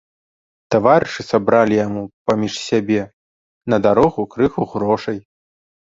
Таварышы сабралі яму паміж сябе на дарогу крыху грошай.